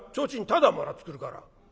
ただもらってくるから」。